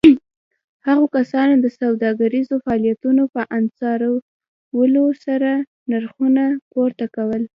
هغو کسانو د سوداګريزو فعاليتونو په انحصارولو سره نرخونه پورته کول.